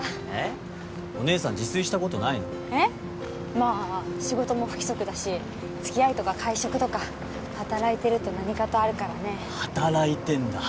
まあ仕事も不規則だしつきあいとか会食とか働いてると何かとあるからね働いてんだ？